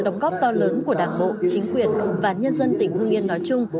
đóng góp to lớn của đảng bộ chính quyền và nhân dân tỉnh hương yên nói chung